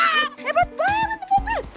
hebat banget ini mobil